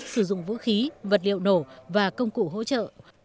sử dụng vũ khí vật liệu nổ và công cụ hỗ trợ